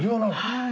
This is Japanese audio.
はい。